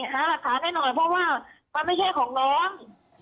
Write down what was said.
หาหลักฐานให้หน่อยเพราะว่ามันไม่ใช่ของน้อง